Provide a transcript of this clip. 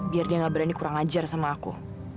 biar dia gak berani kurang ajar sama aku